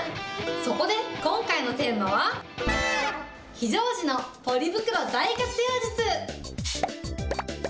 そこで、今回のテーマは、非常時のポリ袋大活用術。